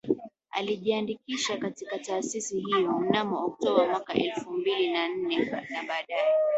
Alijiandikisha katika taasisi hiyo mnamo Oktoba mwaka elfu mbili na nne na baadaye